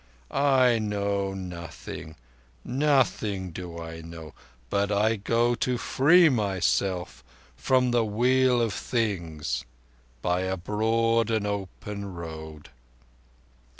I know nothing—nothing do I know—but I go to free myself from the Wheel of Things by a broad and open road."